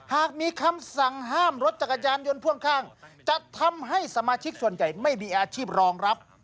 หากมีคำสั่งห้ามรถจักรยานยนต์พ่วงข้างจะทำให้สมาชิกส่วนใหญ่ไม่มีอาชีพรองรับ